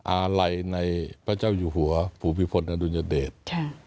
อาลัยในพระเจ้าอยู่หัวภูมิพลอดุลยเดช